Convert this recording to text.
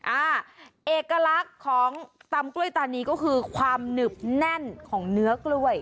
อ่าเอกลักษณ์ของตำกล้วยตานีก็คือความหนึบแน่นของเนื้อกล้วย